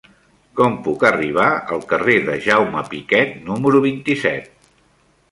Com puc arribar al carrer de Jaume Piquet número vint-i-set?